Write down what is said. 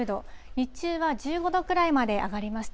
日中は１５度くらいまで上がりました。